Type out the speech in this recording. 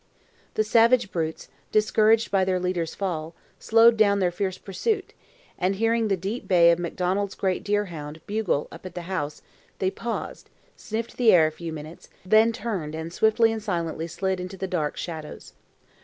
The savage brutes, discouraged by their leader's fall, slowed down their fierce pursuit, and hearing the deep bay of the Macdonalds' great deer hound, Bugle, up at the house, they paused, sniffed the air a few minutes, then turned and swiftly and silently slid into the dark shadows.